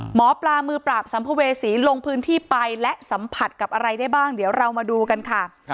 หมอปลามือปราบสัมภเวษีลงพื้นที่ไปและสัมผัสกับอะไรได้บ้างเดี๋ยวเรามาดูกันค่ะ